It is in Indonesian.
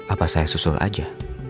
apa saya susul aja